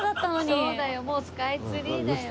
そうだよもうスカイツリーだよ。